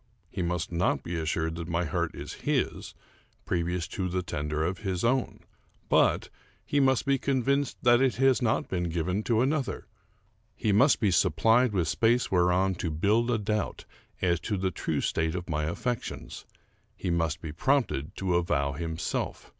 He must not be assured that my heart is his, previous to the tender of his own ; but he must be convinced. 249 American Mystery Stories that it has not been given to another ; he must be supplied with space whereon to build a doubt as to the true state of my affections ; he must be prompted to avow himself.